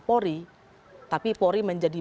polri tapi polri menjadi